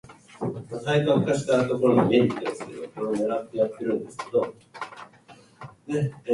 He was buried in Greenwood Cemetery in Birmingham, Michigan.